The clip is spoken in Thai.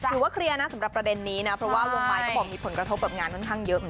ว่าเคลียร์นะสำหรับประเด็นนี้นะเพราะว่าวงมาลก็บอกมีผลกระทบกับงานค่อนข้างเยอะ